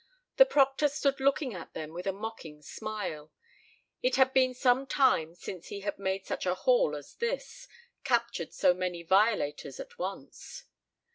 The proctor stood looking at them with a mocking smile. It had been some time since he had made such a "haul" as this captured so many violaters at once.